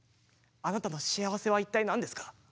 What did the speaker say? あなたの幸せは一体なんですか？